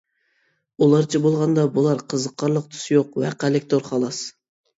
ئۇلارچە بولغاندا بۇلار قىزىقارلىق تۈسى يوق ۋەقەلىكتۇر، خالاس.